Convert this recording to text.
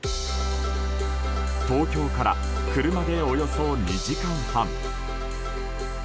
東京から車でおよそ２時間半。